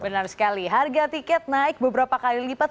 benar sekali harga tiket naik beberapa kali lipat